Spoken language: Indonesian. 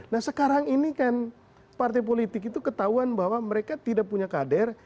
nah sekarang ini kan partai politik itu ketahuan bahwa mereka tidak punya kader